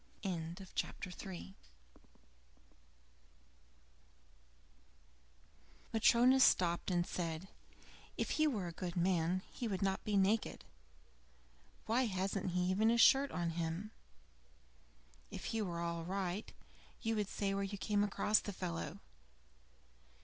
IV Matryona stopped and said: "If he were a good man he would not be naked. Why, he hasn't even a shirt on him. If he were all right, you would say where you came across the fellow."